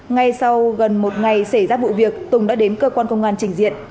ngay sau gần một ngày xảy ra vụ việc tùng đã đến cơ quan công an trình diện